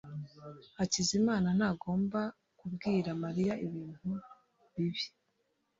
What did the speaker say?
hakizimana ntagomba kubwira mariya ibintu bibi